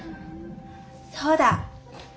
そうだ！